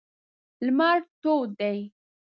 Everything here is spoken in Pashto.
لمر تود دی.